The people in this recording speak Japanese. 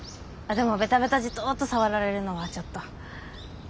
あっでもベタベタジトッと触られるのはちょっと。